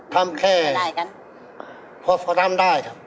ทำแค่พบก็ทำได้ครับทำได้กัน